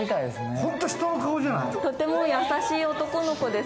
とても優しい男の子です。